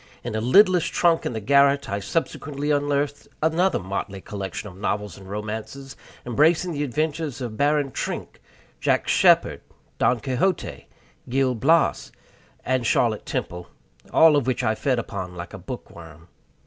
In a lidless trunk in the garret I subsequently unearthed another motley collection of novels and romances, embracing the adventures of Baron Trenck, Jack Sheppard, Don Quixote, Gil Blas, and Charlotte Temple all of which I fed upon like a bookworm.